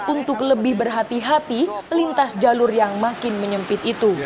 untuk lebih berhati hati melintas jalur yang makin menyempit itu